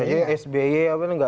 jadi sby apa ini tidak